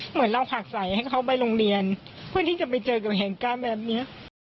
เหมือนเราผลักใส่ให้เขาไปโรงเรียนเพื่อที่จะไปเจอกับเหตุการณ์แบบนี้